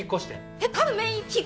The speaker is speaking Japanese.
えっ！？